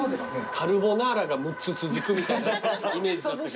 カルボナーラが６つ続くみたいなイメージだったけど。